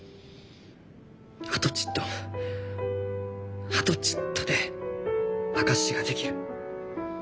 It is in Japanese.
あとちっとあとちっとで証しができる。